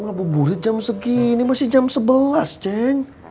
ngabuburit jam segini masih jam sebelas ceng